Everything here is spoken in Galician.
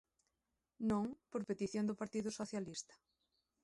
Non, por petición do Partido Socialista.